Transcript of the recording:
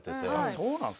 そうなんですね。